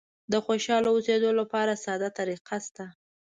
د خوشاله اوسېدلو لپاره ساده طریقه شته.